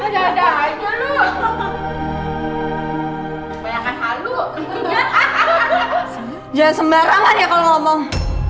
jangan sembarangan ya kalau ngomong